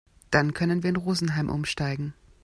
Dann können wir in Rosenheim umsteigen.